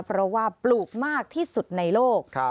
เพราะว่าปลูกมากที่สุดในโลก